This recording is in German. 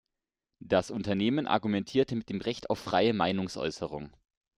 Das Unternehmen argumentierte mit dem Recht auf freie Meinungsäußerung.